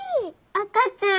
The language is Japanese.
赤ちゃん！